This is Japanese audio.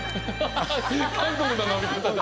韓国の飲み方だ。